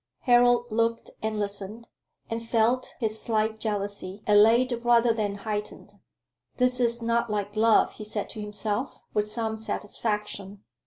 Harold looked and listened, and felt his slight jealousy allayed rather than heightened. "This is not like love," he said to himself, with some satisfaction.